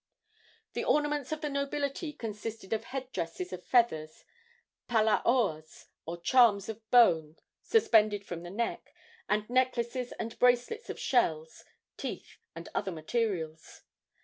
The ornaments of the nobility consisted of head dresses of feathers, palaoas, or charms of bone suspended from the neck, and necklaces and bracelets of shells, teeth and other materials.